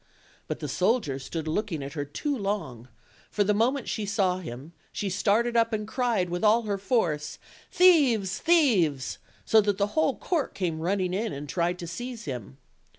But the soldier stood looking at her too long, for the moment she saw him she started up and cried with all her force, "Thieves! thieves!" so that the whole court came running in and tried to seize him.